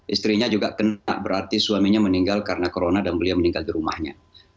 istrinya juga kena berarti suaminya meninggal karena corona dan beliau meninggal di rumahnya